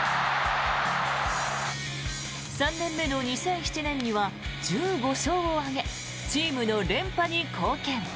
３年目の２００７年には１５勝を挙げチームの連覇に貢献。